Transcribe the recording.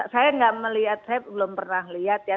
saya nggak melihat saya belum pernah lihat ya